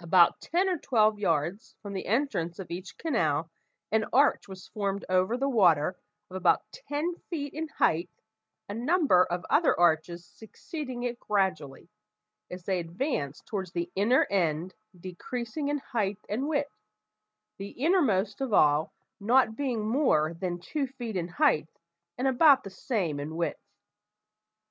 About ten or twelve yards from the entrance of each canal, an arch was formed over the water of about ten feet in height, a number of other arches succeeding it gradually, as they advanced towards the inner end decreasing in height and width, the innermost of all not being more than two feet in height, and about the same in width.